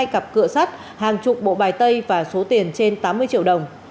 hai cặp cửa sắt hàng chục bộ bài tay và số tiền trên tám mươi triệu đồng